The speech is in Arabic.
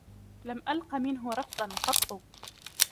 لم ألقَ منهُ رفضًا قطّ.